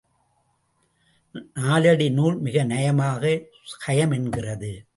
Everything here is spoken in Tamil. நாலடி நூல் மிக நயமாக கயம் என்கிறது.